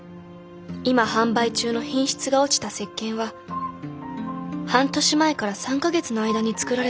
今販売中の品質が落ちた石鹸は半年前から３か月の間に作られた石鹸。